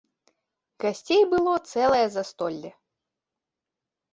Гасцей было цэлае застолле.